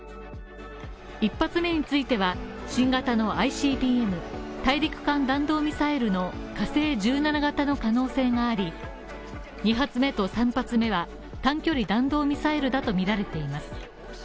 一発目については、新型のＩＣＢＭ＝大陸間弾道ミサイルの火星１７型の可能性があり、２発目と３発目は短距離弾道ミサイルだとみられています。